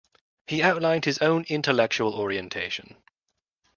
He outlined his own intellectual orientation.